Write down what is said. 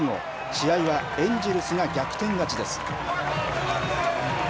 試合はエンジェルスが逆転勝ちです。